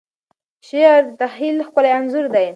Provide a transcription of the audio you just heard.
شعر د تخیل ښکلی انځور دی.